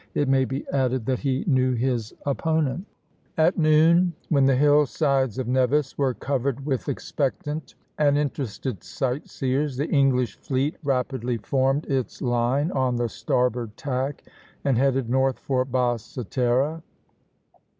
It may be added that he knew his opponent. At noon, when the hillsides of Nevis were covered with expectant and interested sightseers, the English fleet rapidly formed its line on the starboard tack and headed north for Basse Terre (Plate XIX., A, A').